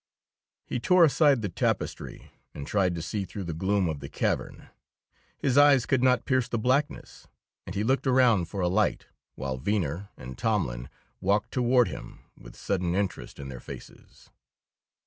He tore aside the tapestry, and tried to see through the gloom of the cavern. His eyes could not pierce the blackness, and he looked around for a light, while Venner and Tomlin walked toward him with sudden interest in their faces.